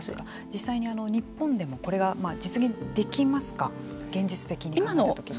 実際に日本でもこれが実現できますか現実的に考えたときに。